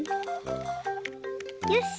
よし！